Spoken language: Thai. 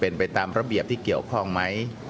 เป็นไปตามระเบียบที่เกี่ยวข้องไหม